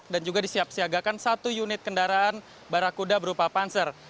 dan juga disiap siagakan satu unit kendaraan barakuda berupa panser